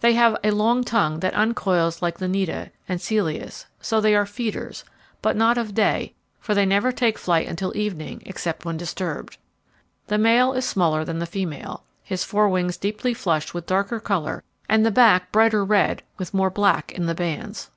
They have a long tongue that uncoils like Lineata, and Celeus, so they are feeders, but not of day, for they never take flight until evening, except when disturbed. The male is smaller than the female, his fore wings deeply flushed with darker colour and the back brighter red with more black in the bands.